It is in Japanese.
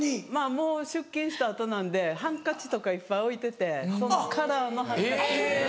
もう出勤した後なんでハンカチとかいっぱい置いててそのカラーのハンカチ。